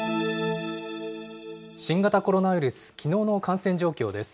新型コロナウイルス、きのうの感染状況です。